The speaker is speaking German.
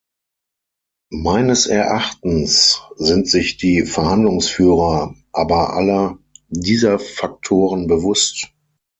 Meines Erachtens sind sich die Verhandlungsführer aber aller dieser Faktoren bewusst.